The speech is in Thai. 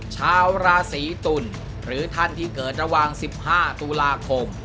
ชาวราศีตุลหรือท่านที่เกิดระหว่าง๑๕ตุลาคม